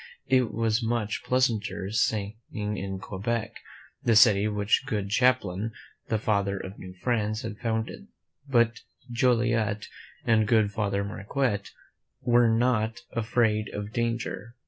It was much pleasanter staying in Quebec, the city which good Champlain, the Father of New France, had founded; but Joliet and good Father Marquette were not afraid of danger.